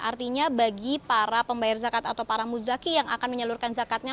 artinya bagi para pembayar zakat atau para muzaki yang akan menyalurkan zakatnya